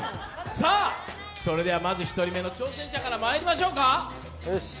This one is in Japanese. それではまず１人目の挑戦者からまいりましょう。